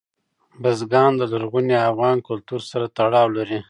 بزګان د لرغوني افغان کلتور سره تړاو لري.